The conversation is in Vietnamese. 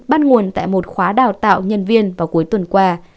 bắt nguồn tại một khóa đào tạo nhân viên vào cuối tuần qua